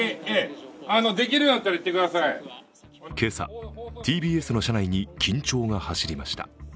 今朝、ＴＢＳの社内に緊張が走りました。